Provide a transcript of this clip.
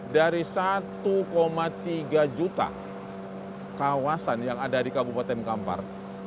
dari satu tiga juta kawasan yang ada di kabupaten kampar